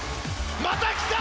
また来た！